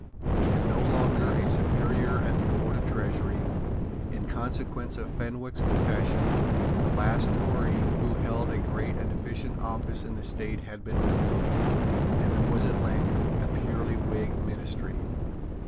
He had no longer a superior at the Board of Treasury. In consequence of Fenwick's confession, the last Tory who held a great and efficient office in the State had been removed, and there was at length a purely Whig Ministry.